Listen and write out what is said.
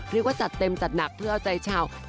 เรียกว่าจัดเต็มจัดหนักเพื่อเอาใจชาว